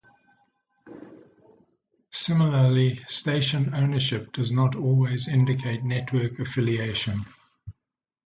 Similarly station ownership does not always indicate network affiliation.